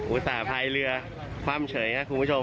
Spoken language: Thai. ต่าพายเรือคว่ำเฉยครับคุณผู้ชม